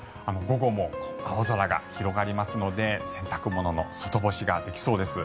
午後も青空が広がりますので洗濯物の外干しができそうです。